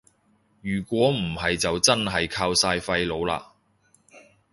如果唔係就真係靠晒廢老喇